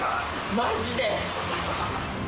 マジで。